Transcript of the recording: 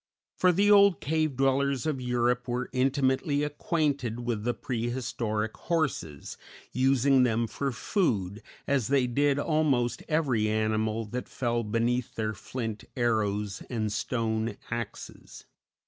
For the old cave dwellers of Europe were intimately acquainted with the prehistoric horses, using them for food, as they did almost every animal that fell beneath their flint arrows and stone axes.